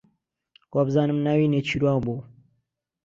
وابزانم ناوی نێچیروان بوو.